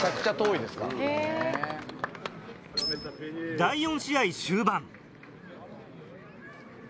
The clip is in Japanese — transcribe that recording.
第４試合終盤。